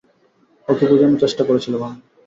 ওকে বোঝানোর চেষ্টা করেছিলাম আমি।